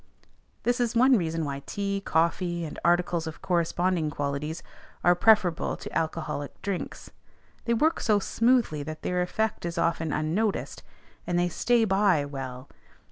This is one reason why tea, coffee, and articles of corresponding qualities, are preferable to alcoholic drinks: they work so smoothly that their effect is often unnoticed, and they "stay by" well.